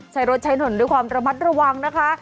ใช้รถใช้ถนนด้วยความระมัดระวังนะคะ